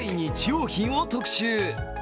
用品を特集。